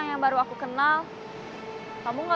ya udah kayaknya